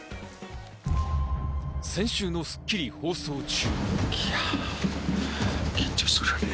先週の『スッキリ』放送中。